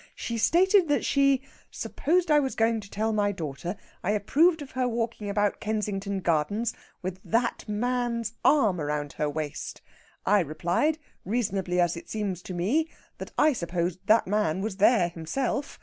She stated that she "supposed I was going to tell my daughter I approved of her walking about Kensington Gardens with that man's arm around her waist." I replied reasonably, as it seems to me that I supposed that man was there himself.